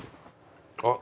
あっ！